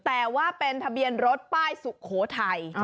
แต่ว่าเป็นทะเบียนรถป้ายสุโขทัย